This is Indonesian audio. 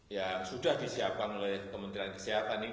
ya sudah disiapkan oleh kementerian kesehatan ini